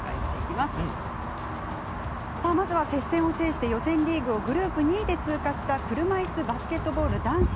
まずは接戦を制して予選リーグをグループ２位で通過した車いすバスケットボール男子。